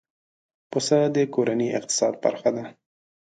پسه د کورنۍ اقتصاد برخه ده.